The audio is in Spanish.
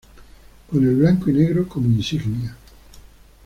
Con el Blanco y negro como insignia.